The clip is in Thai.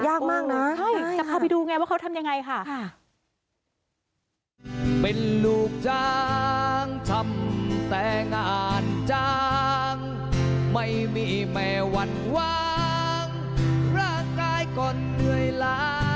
ยากมากนะใช่จะพาไปดูไงว่าเขาทำยังไงค่ะ